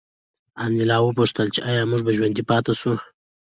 انیلا وپوښتل چې ایا موږ به ژوندي پاتې شو